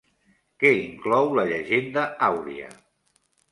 Què inclou la Llegenda àuria?